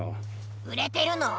うれてるの？